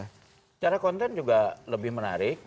secara konten juga lebih menarik